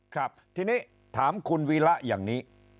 ครับทีนี้ถามคุณวีระอย่างนี้